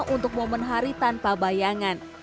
untuk momen hari tanpa bayangan